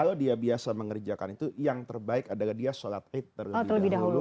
kalau dia biasa mengerjakan itu yang terbaik adalah dia sholat id terlebih dahulu